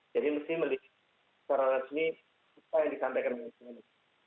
jadi mesti melihat secara resmi apa yang disampaikan oleh kami